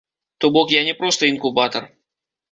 То бок я не проста інкубатар.